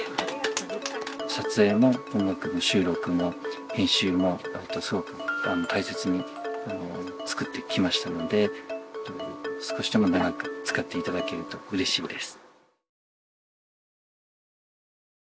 撮影も音楽の収録も編集もすごく大切に作ってきましたので少しでも長く使って頂けるとうれしいです。